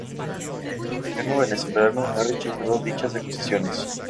El gobierno venezolano ha rechazado dichas acusaciones.